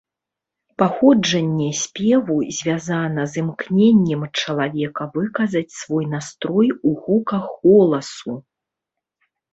Паходжанне спеву звязана з імкненнем чалавека выказаць свой настрой у гуках голасу.